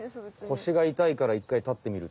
腰がいたいから１かい立ってみるとか？